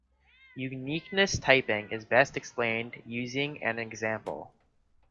Uniqueness typing is best explained using an example.